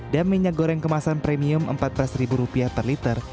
dan minyak goreng kemasan premium rp empat belas per liter